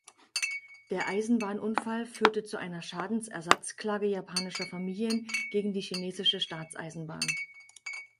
Der Eisenbahnunfall führte zu einer Schadensersatzklage japanischer Familien gegen die Chinesische Staatseisenbahn.